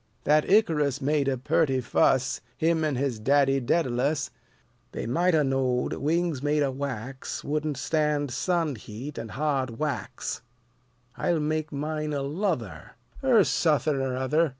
That Icarus Made a perty muss: Him an' his daddy Dædalus They might 'a' knowed wings made o' wax Wouldn't stand sun heat an' hard whacks. I'll make mine o' luther, Ur suthin' ur other."